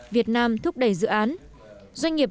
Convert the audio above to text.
việt nam thúc đẩy dự án doanh nghiệp